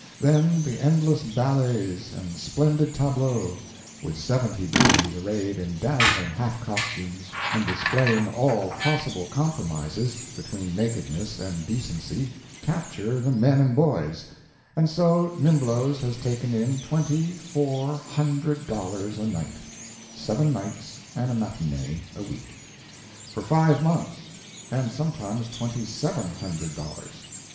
Then the endless ballets and splendid tableaux, with seventy beauties arrayed in dazzling half costumes; and displaying all possible compromises between nakedness and decency, capture the men and boys—and so Niblo's has taken in twenty four hundred dollars a night, (seven nights and a matinee a week,) for five months, and sometimes twenty seven hundred dollars.